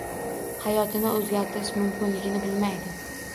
Hayotini oʻzgartirish mumkinligini bilmaydi